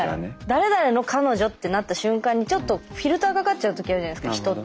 誰々の彼女ってなった瞬間にちょっとフィルターかかっちゃう時あるじゃないですか人って。